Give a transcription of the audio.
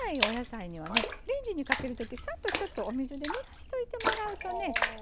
お野菜にはねレンジにかける時サッとちょっとお水でぬらしといてもらうとね